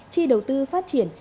tri đầu tư phát triển